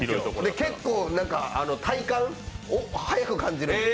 結構、体感、速く感じるんですよ。